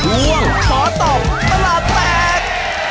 ห่วงขอตอบตลาดแตก